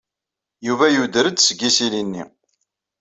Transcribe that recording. Yuba yuder-d seg yisili-nni.